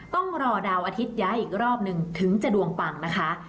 ต้องรอดาวอาทิตย้ายอีกรอบนึงถึงจะดวงปังนะคะ